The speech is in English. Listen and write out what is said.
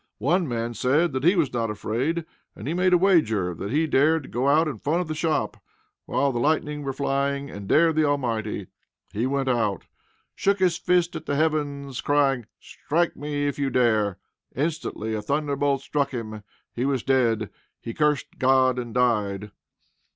One man said that he was not afraid; and he made a wager that he dared go out in front of the shop, while the lightnings were flying, and dare the Almighty. He went out; shook his fist at the heavens, crying, "Strike, if you dare!" Instantly a thunder bolt struck him. He was dead. He cursed God, and died!